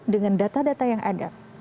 dengan data data yang ada